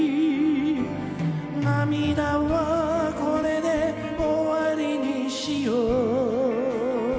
「涙はこれで終わりにしよう」